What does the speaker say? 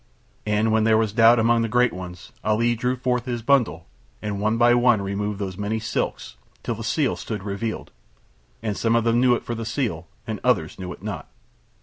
And when there was doubt among the great ones Ali drew forth his bundle and one by one removed those many silks till the seal stood revealed; and some of them knew it for the seal and others knew it not.